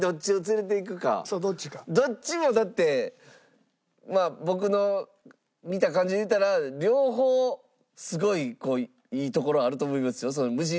どっちもだってまあ僕の見た感じで言うたら両方すごいいいところあると思いますよ無人島で。